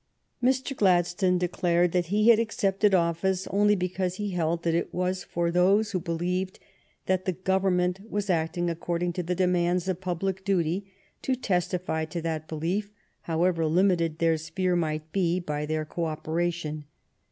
Mr. Glad stone declared that he had accepted office only because he held that it was for those who believed that the Government was acting according to the demands of public duty to testify to that belief, however limited their sphere might be, by their co operation.